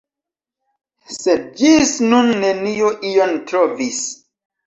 Sed ĝis nun neniu ion trovis.